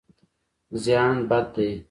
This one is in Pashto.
زیان بد دی.